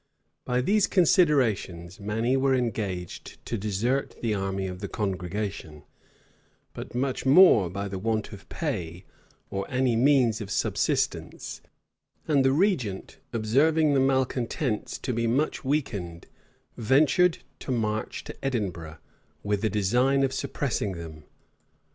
By these considerations many were engaged to desert the army of the congregation; but much more by the want of pay, or any means of subsistence; and the regent, observing the malecontents to be much weakened, ventured to march to Edinburgh, with a design of suppressing them.